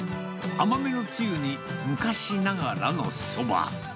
甘めのつゆに、昔ながらのそば。